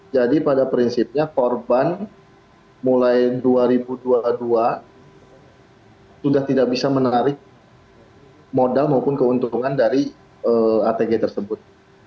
jadi pada prinsipnya korban mulai dua ribu dua puluh dua sudah tidak bisa menarik modal maupun keuntungan dari atg tersebut